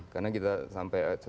karena kita sampai